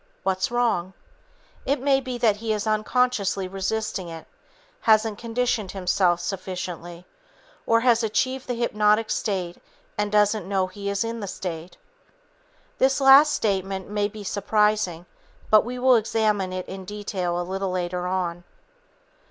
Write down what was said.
What's wrong? It may be that he is unconsciously resisting it, hasn't conditioned himself sufficiently, or has achieved the hypnotic state and doesn't know he is in the state. This last statement may be surprising, but we will examine it in detail a little later on.